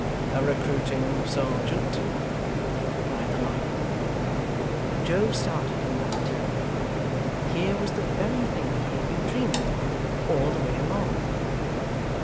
'A recruiting serjeant,' replied the Lion. Joe started involuntarily. Here was the very thing he had been dreaming of, all the way along.